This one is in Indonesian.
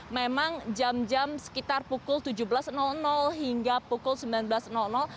memang jam jam sekitar pukul tujuh belas hingga pukul sembilan belas